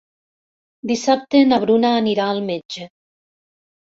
Dissabte na Bruna anirà al metge.